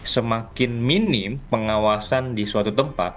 semakin minim pengawasan di suatu tempat